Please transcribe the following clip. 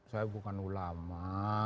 saya bukan ulama